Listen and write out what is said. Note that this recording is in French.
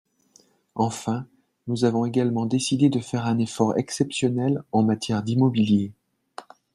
Enfin, nous avons également décidé de faire un effort exceptionnel en matière d’immobilier.